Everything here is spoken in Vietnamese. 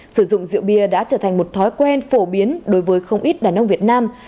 sử dụng rượu bia đã trở thành một thói quen phổ biến đối với không ít đàn ông việt nam